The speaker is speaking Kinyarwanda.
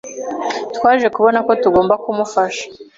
Twaje kubona ko tugomba kumufasha.